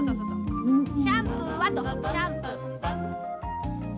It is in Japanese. シャンプーはとシャンプー。